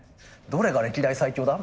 「どれが歴代最強だ？」